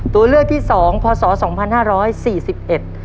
ตัวเลือกที่สองพศสองพันห้าร้อยสี่สิบเอ็ด